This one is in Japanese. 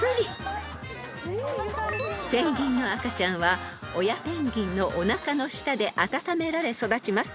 ［ペンギンの赤ちゃんは親ペンギンのおなかの下で温められ育ちます］